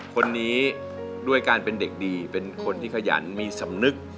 คนนี้ด้วยการเป็นเด็กดีเป็นคนที่ขยันมีสำนึก